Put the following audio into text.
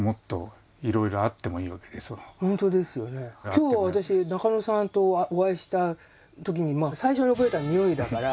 今日私中野さんとお会いしたときに最初に覚えたの匂いだから。